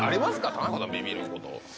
田中さんビビること。